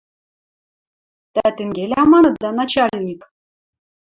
«Тӓ тенгелӓ маныда, начальник?» —